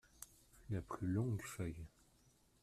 La plus longue feuille.